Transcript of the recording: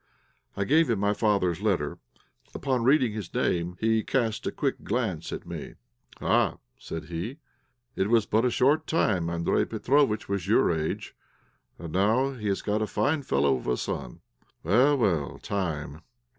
I gave him my father's letter. Upon reading his name he cast a quick glance at me. "Ah," said he, "it was but a short time Andréj Petróvitch was your age, and now he has got a fine fellow of a son. Well, well time, time."